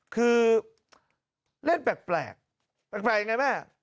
คือเล่นแปลกแปลกยังไงแม่